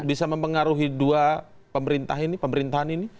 bisa mempengaruhi dua pemerintahan ini